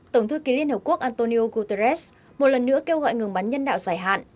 tổng thư ký liên hợp quốc antonio guterres một lần nữa kêu gọi ngừng bắn nhân đạo dài hạn